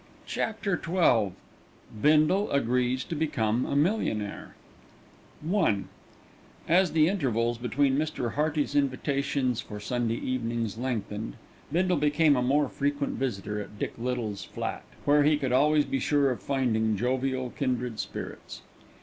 CHAPTER XII BINDLE AGREES TO BECOME A MILLIONAIRE I As the intervals between Mr. Hearty's invitations for Sunday evenings lengthened, Bindle became a more frequent visitor at Dick Little's flat, where he could always be sure of finding jovial kindred spirits.